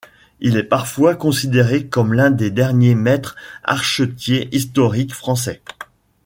Il est parfois considéré comme l'un des derniers maîtres archetiers historiques français.